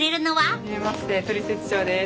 初めまして「トリセツショー」です。